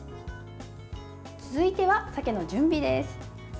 続いては鮭の準備です。